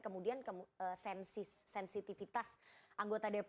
kemudian sensitivitas anggota dpr